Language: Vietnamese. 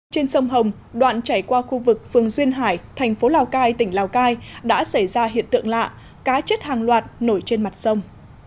trên sông hồng đoạn chảy qua khu vực phường duyên hải thành phố lào cai tỉnh lào cai đã xảy ra hiện tượng lạ cá chết hàng loạt nổi trên mặt sông